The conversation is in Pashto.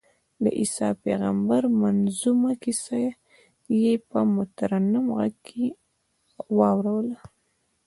د عیسی پېغمبر منظمومه کیسه یې په مترنم غږ کې اورووله.